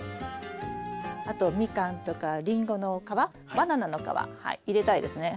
あとミカンとかリンゴの皮バナナの皮入れたいですね。